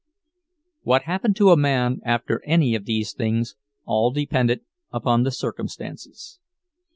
What happened to a man after any of these things, all depended upon the circumstances.